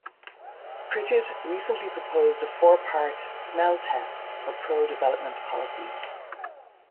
Pritchett recently proposed a four-part "smell test" for pro-development policies.